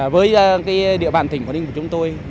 với địa bàn tỉnh quảng ninh của chúng tôi